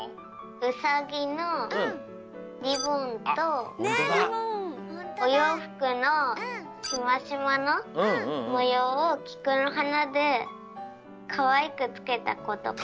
うさぎのりぼんとおようふくのしましまのもようをきくのはなでかわいくつけたことかな。